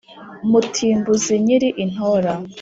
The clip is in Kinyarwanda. mutimbuzi nyiri i ntora